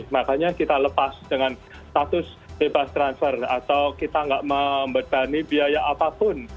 makanya kita lepas dengan status bebas transfer atau kita tidak membebani biaya apapun